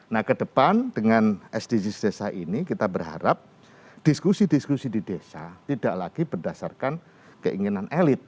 nah ke depan dengan sdgs desa ini kita berharap diskusi diskusi di desa tidak lagi berdasarkan keinginan elit